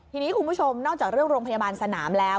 ทีนี้คุณผู้ชมนอกจากเรื่องโรงพยาบาลสนามแล้ว